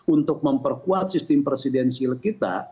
untuk memperkuat sistem presidensil kita